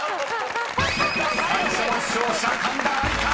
［最初の勝者神田愛花］